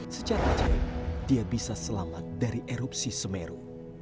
secara jauh dia bisa selamat dari erupsi semeru